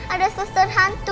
ada susun hantu